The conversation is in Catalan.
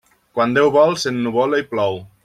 Quan Déu vol, s'ennuvola i plou.